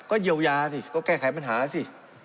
ก็เยียวยาตรงนั้นก็แก้ไขปัญหาสิ